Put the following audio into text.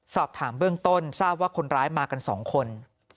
สอบถามเบื้องต้นทราบว่าคนร้ายมากัน๒คน